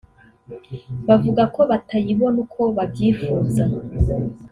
bavuga ko batayibona uko babyifuza